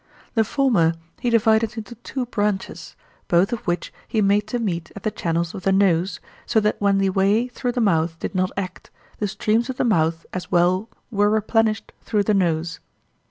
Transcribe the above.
The former he divided into two branches, both of which he made to meet at the channels of the nose, so that when the way through the mouth did not act, the streams of the mouth as well were replenished through the nose.